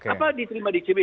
apa diterima icw